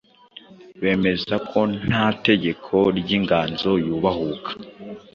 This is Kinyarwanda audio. bemeza ko nta tegeko ry'inganzo yubahuka.